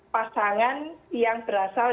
pasangan yang berasal